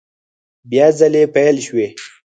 بیا ځلي پیل شوې